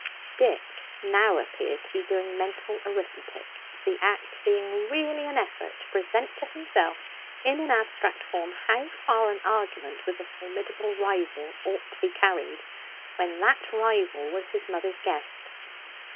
Dick now appeared to be doing mental arithmetic, the act being really an effort to present to himself, in an abstract form, how far an argument with a formidable rival ought to be carried, when that rival was his mother's guest.